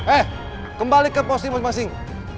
eh kembali ke posting masing masing